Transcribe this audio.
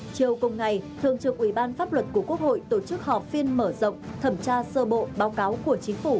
chiều cùng ngày thường trực ủy ban pháp luật của quốc hội tổ chức họp phiên mở rộng thẩm tra sơ bộ báo cáo của chính phủ